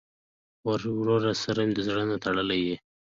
ورور سره د زړه نه تړلې یې.